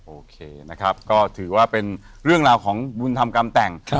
โอเคนะครับก็ถือว่าเป็นเรื่องราวของบุญธรรมกรรมแต่ง